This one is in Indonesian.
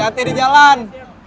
hati hati di jalan